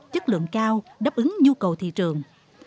chất lượng cao đáp ứng nhu cầu thị trường